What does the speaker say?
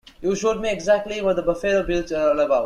You showed me exactly what the Buffalo Bills are all about'.